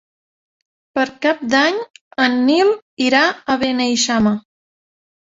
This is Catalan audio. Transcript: Per Cap d'Any en Nil irà a Beneixama.